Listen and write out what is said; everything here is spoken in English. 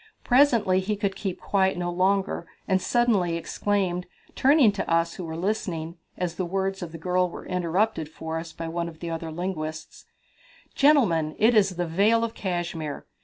Presently he could keep quiet no longer, and suddenly exclaimed, turning to us who were listening, as the words of the girl were interpreted for us by one of the other linguists: "Gentlemen, it is the Vale of Cashmere!